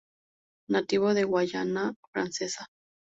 Nativo de Guayana francesa.